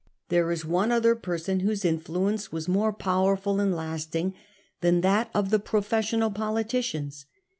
There is one other person whose influence was more powerful and lasting than that of the professional politi Louise de cians.